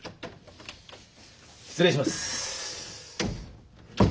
失礼します。